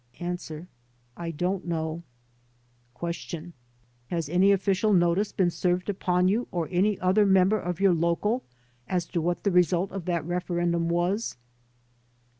A. "I don't know." Q. "Has any official notice been served upon you or any other member of your local as to what the result of that ref erendum was?"